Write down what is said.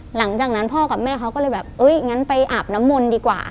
หลังจากนั้นพ่อกับแม่เขาก็เลยแบบเอ้ยงั้นไปอาบน้ำมนต์ดีกว่า